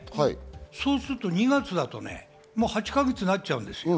そうすると２月だとね、もう８か月になっちゃうんですよ。